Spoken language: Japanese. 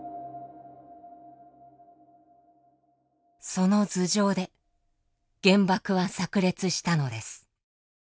その頭上で原爆はさく裂したのです。